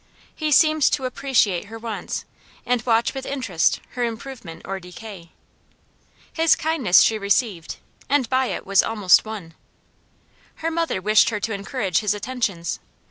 He seemed to appreciate her wants, and watch with interest her improvement or decay. His kindness she received, and by it was almost won. Her mother wished her to encourage his attentions.